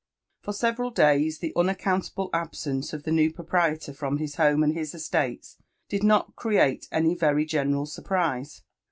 For several days, the unaccountable absence of the new proprietor from his home and his estates did not create any very general surprise.